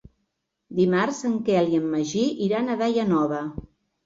Dimarts en Quel i en Magí iran a Daia Nova.